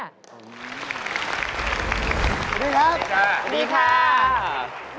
สวัสดีครับสวัสดีครับสวัสดีค่ะเป็นไง